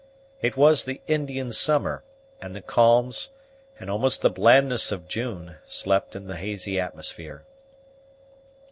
It was the Indian summer, and the calms, and almost the blandness of June, slept in the hazy atmosphere.